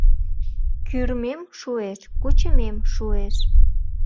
Кӱрмем шуэш, кучымем шуэш.